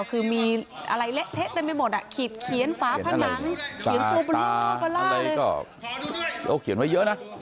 เขียนฝาผนังเขียนตัวประโลกฮะล่าอะไรก็เขียนไว้เยอะนะ